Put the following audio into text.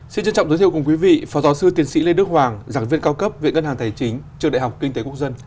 xin trân trọng giới thiệu cùng quý vị phó giáo sư tiến sĩ lê đức hoàng giảng viên cao cấp viện ngân hàng tài chính trường đại học kinh tế quốc dân